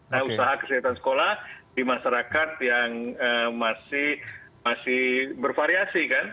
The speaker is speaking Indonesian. nah usaha kesehatan sekolah di masyarakat yang masih bervariasi kan